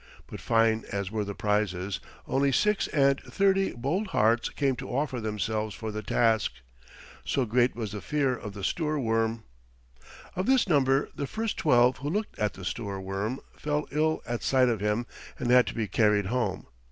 But fine as were the prizes, only six and thirty bold hearts came to offer themselves for the task, so great was the fear of the Stoorworm. Of this number the first twelve who looked at the Stoorworm fell ill at sight of him and had to be carried home.